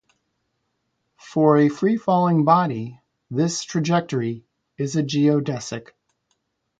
For a free falling body, this trajectory is a geodesic.